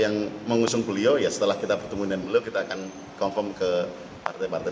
yang mengusung beliau ya setelah kita bertemu dengan beliau kita akan confirm ke partai partai